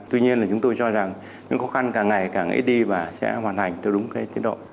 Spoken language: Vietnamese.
tuy nhiên là chúng tôi cho rằng những khó khăn càng ngày càng ít đi và sẽ hoàn thành theo đúng cái tiến độ